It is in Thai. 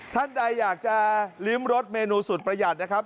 ท่านใดอยากจะลิ้มรสเมนูสุดประหยัดนะครับ